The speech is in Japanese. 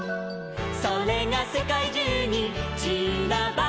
「それがせかいじゅうにちらばって」